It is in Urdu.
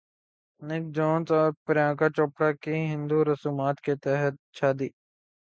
نک جونس اور پریانکا چوپڑا کی ہندو رسومات کے تحت شادی